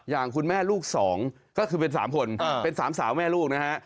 อย่างคุณแม่ลูก๒ก็คือเป็น๓คนเป็น๓สาวแม่ลูกนะฮะ